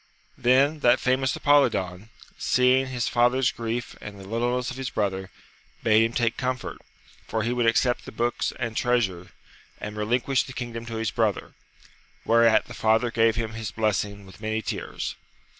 Then that famous Apolidon, seeing his father's grief and the littleness of his brother, bade him take comfort, AMADIS OF GAUL. 251 for he would accept the books and treasure, and relin quish the kingdom to his brother. Whereat the father gave him his blessing with many tears.